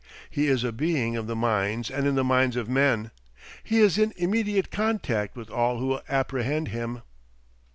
He is a Being of the minds and in the minds of men. He is in immediate contact with all who apprehend him.